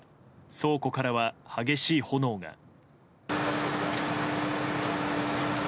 倉庫からは激しい炎が。